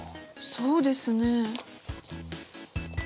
そうですね。